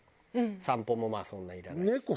散歩もまあそんないらないし。